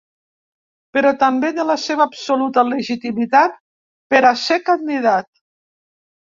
Però també de la seva absoluta legitimitat per a ser candidat.